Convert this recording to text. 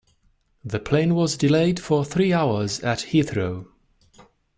The plane was delayed for three hours at Heathrow